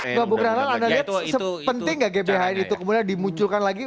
enggak bu granal anda lihat sepenting gak gbhn itu kemudian dimunculkan lagi